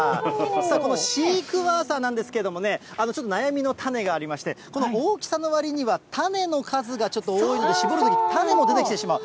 このシークワーサーなんですけどもね、ちょっと悩みの種がありまして、この大きさのわりには種の数がちょっと多いんで、搾るとき種も出てきてしまう。